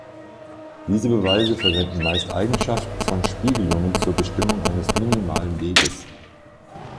Diese Beweise verwenden meist Eigenschaften von Spiegelungen zur Bestimmung eines minimalen Weges.